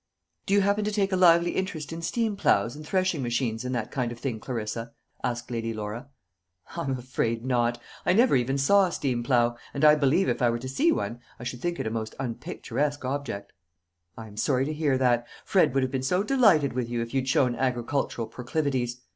"Do you happen to take a lively interest in steam ploughs and threshing machines, and that kind of thing, Clarissa?" asked Lady Laura. "I'm afraid not. I never even saw a steam plough; and I believe if I were to see one, I should think it a most unpicturesque object." "I am sorry to hear that. Fred would have been so delighted with you, if you'd shown agricultural proclivities.